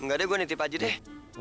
gak deh gue nitip aja deh